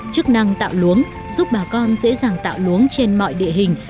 chức năng tạo luống giúp bà con dễ dàng tạo luống trên mọi địa hình